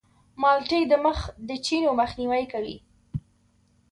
مالټې د مخ د چینو مخنیوی کوي.